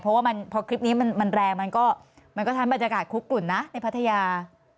เพราะว่าพอคลิปนี้มันแรงมันก็ทำให้บรรยากาศคุกกลุ่นนะในพัทยา